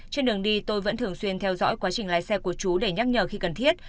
trên đường đi tôi vẫn thường xuyên theo dõi quá trình lái xe của chú để nhắc nhở khi cần thiết